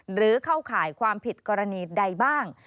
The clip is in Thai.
หรือเข้าข่ายความผิดกรณีใดบ้าง